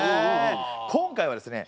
今回はですね